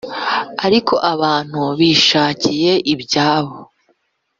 ariko abantu bishakiye ibyabo